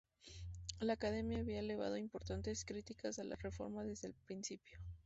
La Academia había elevado importantes críticas a la reforma desde el principio.